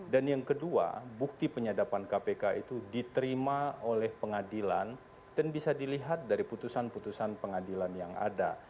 dan yang kedua bukti penyadapan kpk itu diterima oleh pengadilan dan bisa dilihat dari putusan putusan pengadilan yang ada